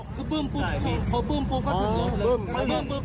คือปึ้มพอปึ้มก็ถึงลงเลย